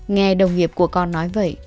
nghe đồng nghiệp của con nói vậy